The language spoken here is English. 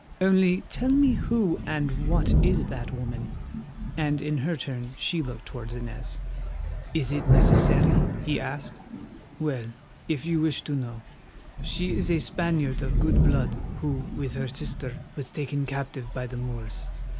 "Only tell me who and what is that woman?" and in her turn she looked towards Inez. "Is it necessary?" he asked. "Well, if you wish to know, she is a Spaniard of good blood who with her sister was taken captive by the Moors.